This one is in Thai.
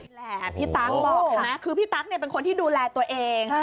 แหละพี่ตั๊กบอกเห็นไหมคือพี่ตั๊กเป็นคนที่ดูแลตัวเอง